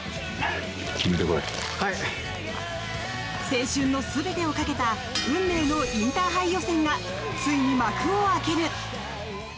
青春の全てをかけた運命のインターハイ予選がついに幕を開ける！